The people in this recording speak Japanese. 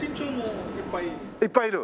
いっぱいいる？